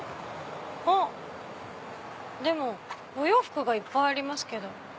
あっでもお洋服がいっぱいありますけど。